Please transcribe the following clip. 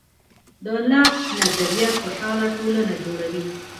د لاک نظریه خوشحاله ټولنه جوړوي.